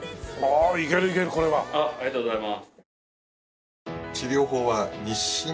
ありがとうございます。